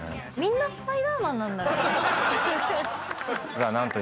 みんなスパイダーマンなんだろうな。